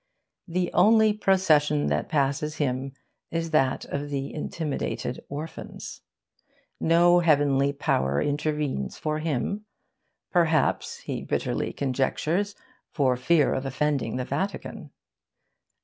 The only procession that passes him is that of the intimidated orphans. No heavenly power intervenes for him perhaps (he bitterly conjectures) for fear of offending the Vatican.